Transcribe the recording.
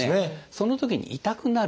そのときに痛くなる人。